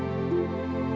gimana ini berguna lho